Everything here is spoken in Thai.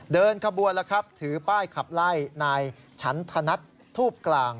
เดินขบวนแล้วครับถือป้ายขับไล่นายฉันธนัททูบกลาง